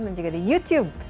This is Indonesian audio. dan juga di youtube